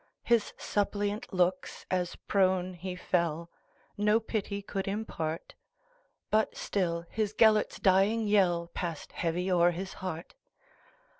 His suppliant looks, as prone he fell, No pity could impart; But still his Gêlert's dying yellPassed heavy o'er his heart.